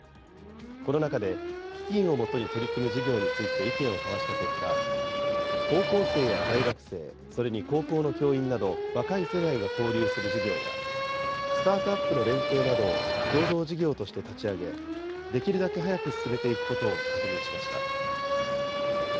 この中で、基金を元に取り組む事業について意見を交わした結果、高校生や大学生、それに高校の教員など、若い世代が交流する事業や、スタートアップの連携などを共同事業として立ち上げ、できるだけ早く進めていくことを確認しました。